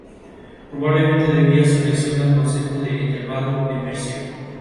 Probablemente debía su elección al consejo de Ethelbaldo de Mercia.